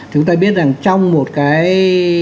chúng ta biết rằng trong một cái